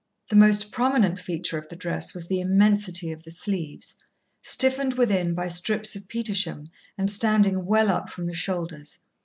The most prominent feature of the dress was the immensity of the sleeves, stiffened within by strips of petersham, and standing well up from the shoulders.